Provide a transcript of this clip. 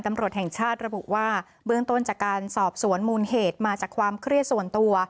ตำรวจแห่งชาติระบุว่าเบื้องต้นจากการสอบสวนมูลเหตุมาจากความเครียดส่วนตัว